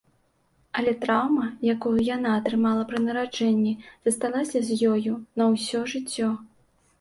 Але траўма, якую яна атрымала пры нараджэнні, засталася з ёю на ўсё жыццё.